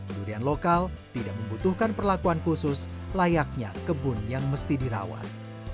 durian lokal tidak membutuhkan perlakuan khusus layaknya kebun yang mesti dirawat